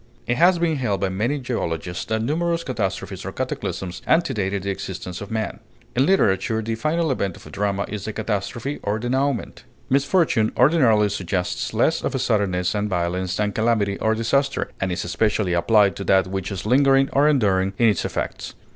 It has been held by many geologists that numerous catastrophes or cataclysms antedated the existence of man. In literature, the final event of a drama is the catastrophe, or denouement. Misfortune ordinarily suggests less of suddenness and violence than calamity or disaster, and is especially applied to that which is lingering or enduring in its effects.